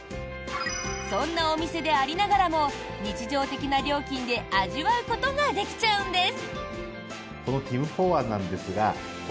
そんなお店でありながらも日常的な料金で味わうことができちゃうんです。